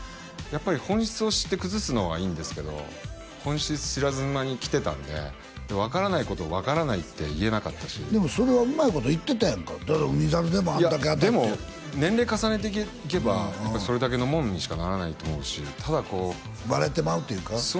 やっぱり本質を知って崩すのはいいんですけど本質知らず間にきてたんで分からないことを分からないって言えなかったしでもそれはうまいこといってたやんか「海猿」でもあんだけ当たっていやでも年齢重ねていけばそれだけのもんにしかならないと思うしただこうバレてまうっていうか？